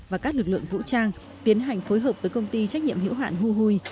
và các lực lượng vũ trang tiến hành phối hợp với công ty trách nhiệm hữu hạn hu huy